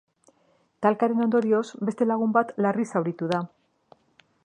Talkaren ondorioz, beste lagun bat larri zauritu da.